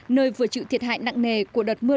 nơi vừa chịu thiệt hại nặng nề của đợt mưa